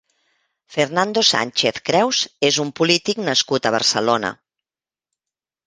Fernando Sánchez Creus és un polític nascut a Barcelona.